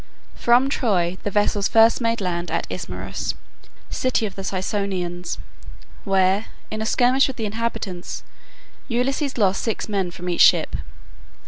From Troy the vessels first made land at Ismarus, city of the Ciconians, where, in a skirmish with the inhabitants, Ulysses lost six men from each ship.